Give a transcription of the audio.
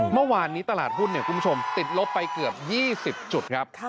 เมื่อวานนี้ตลาดหุ้นคุณผู้ชมติดลบไปเกือบ๒๐จุดครับ